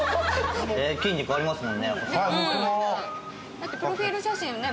だってプロフィール写真ね